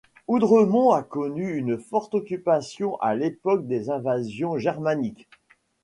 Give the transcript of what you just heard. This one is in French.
Houdremont a connu une forte occupation à l'époque des invasions germaniques.